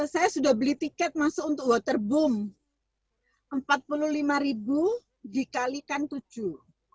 hai sudah beli tiket masuk untuk waterboom empat ribu lima ratus dikalikan tujuh